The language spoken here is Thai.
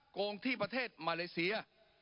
โกงที่ประเทศมาเลเซีย